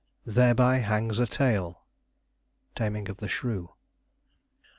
Q "Thereby hangs a tale." Taming of the Shrew.